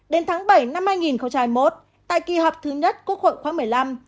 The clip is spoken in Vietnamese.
đến tháng bảy năm hai nghìn một tại kỳ họp thứ nhất quốc hội khóa một mươi năm